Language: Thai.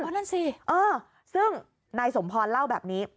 เพราะนั่นสิเออซึ่งนายสมพรเล่าแบบนี้